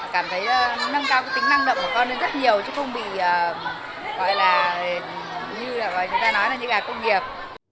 cảm thấy nó nâng cao cái tính năng động của con lên rất nhiều chứ không bị gọi là như người ta nói là những gạt công nghiệp